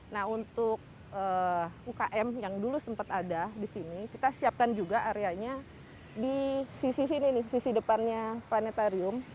nah untuk ukm yang dulu sempat ada di sini kita siapkan juga areanya di sisi sini nih sisi depannya planetarium